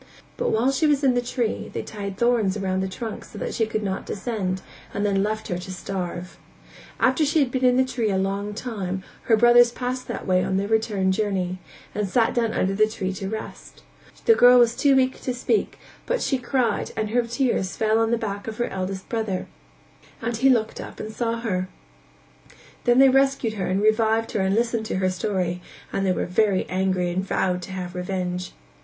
But while she was in the tree, they tied thorns round the trunk so that she could not descend and then left her to starve. After she had been in the tree a long time, her brothers passed that way on their return journey, and sat down under the tree to rest; the girl was too weak to speak but she cried and her tears fell on the back of her eldest brother, and he looked up and saw her; then they rescued her and revived her and listened to her story; and they were very angry and vowed to have revenge.